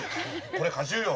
これ果汁よ！